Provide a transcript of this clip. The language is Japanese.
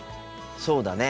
そうだね。